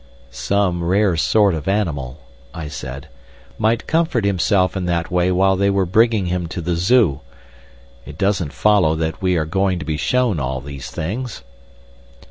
"Some rare sort of animal," I said, "might comfort himself in that way while they were bringing him to the Zoo.... It doesn't follow that we are going to be shown all these things."